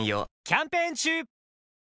キャンペーン中！